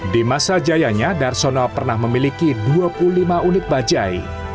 di masa jayanya darsono pernah memiliki dua puluh lima unit bajai